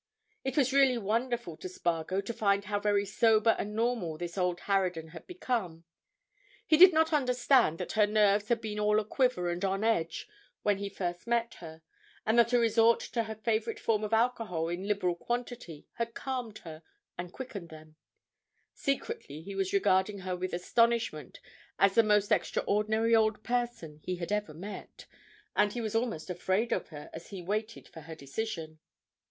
It was really wonderful to Spargo to find how very sober and normal this old harridan had become; he did not understand that her nerves had been all a quiver and on edge when he first met her, and that a resort to her favourite form of alcohol in liberal quantity had calmed and quickened them; secretly he was regarding her with astonishment as the most extraordinary old person he had ever met, and he was almost afraid of her as he waited for her decision.